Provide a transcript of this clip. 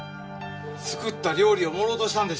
作った料理を盛ろうとしたんでしょう。